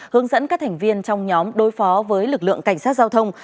hướng dẫn các thành viên trong nhóm đối phó với lực lượng cảnh sát giao thông